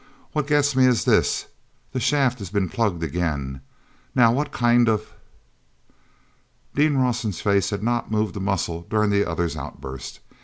What gets me is this: the shaft has been plugged again. Now, what kind of...." ean Rawson's face had not moved a muscle during the other's outburst.